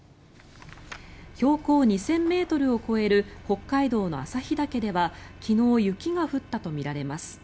標高２０００ｍを超える北海道の旭岳では昨日、雪が降ったとみられます。